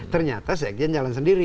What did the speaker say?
ternyata sekjen jalan sendiri